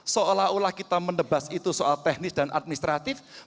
seolah olah kita mendebas itu soal teknis dan administrasi itu tidak perlu di gurui